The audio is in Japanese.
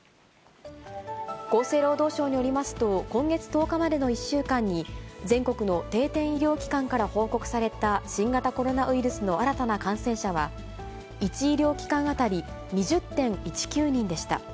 厚生労働省によりますと、今月１０日までの１週間に、全国の定点医療機関から報告された新型コロナウイルスの新たな感染者は、１医療機関当たり２０．１９人でした。